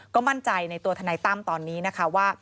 ก็มั่นใจในตัวทนายตั้มตอนนี้นะคะว่า